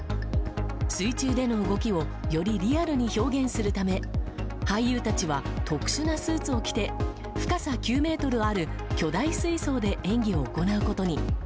水中での動きをよりリアルに表現するため俳優たちは特殊なスーツを着て深さ９ｍある巨大水槽で演技を行うことに。